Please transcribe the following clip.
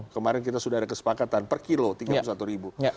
kemarin kita sudah ada kesepakatan per kilo tiga puluh satu ribu